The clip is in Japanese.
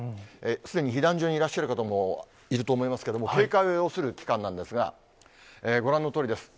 すでに避難所にいらっしゃる方もいると思いますけれども、警戒を要する期間なんですが、ご覧のとおりです。